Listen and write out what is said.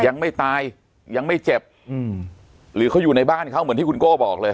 ยังไม่ตายยังไม่เจ็บอืมหรือเขาอยู่ในบ้านเขาเหมือนที่คุณโก้บอกเลย